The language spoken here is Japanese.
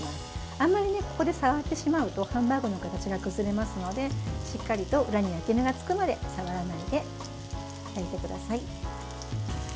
あまりここで触ってしまうとハンバーグの形が崩れますのでしっかりと裏に焼き目がつくまで触らないで焼いてください。